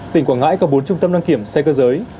tỉnh quảng ngãi có bốn trung tâm đăng kiểm xe cơ giới